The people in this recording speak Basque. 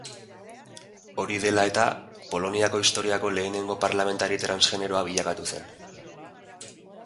Hori dela eta, Poloniako historiako lehenengo parlamentari transgeneroa bilakatu zen.